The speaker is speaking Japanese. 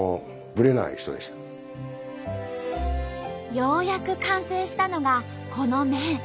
ようやく完成したのがこの麺。